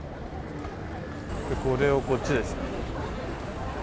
これをこっちですね。